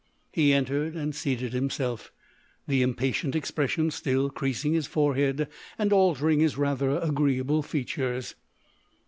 He entered and seated himself, the impatient expression still creasing his forehead and altering his rather agreeable features.